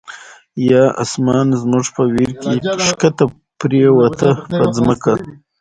یا آسمان زمونږ په ویر کی، ښکته پریوته په ځمکه